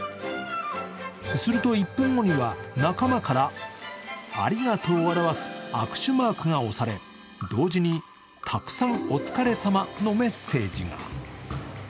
すると１分後には仲間からありがとうを表す握手マークが押され同時にたくさん「お疲れさま」のメッセージが。